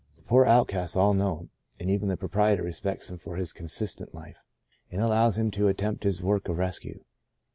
The poor outcasts all know him, and even the proprietor respects him for his consistent life, and allows him to attempt his work of rescue.